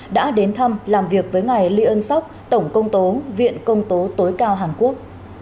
đã đến thăm làm việc với ngài liên xóc tổng công tố viện công tố tối cao hàn quốc